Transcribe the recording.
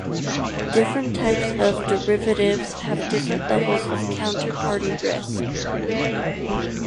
Different types of derivatives have different levels of counter party risk.